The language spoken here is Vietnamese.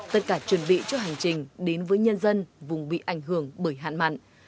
tất cả chuẩn bị cho hành trình đến với nhân dân vùng bị ảnh hưởng bởi hạn mặn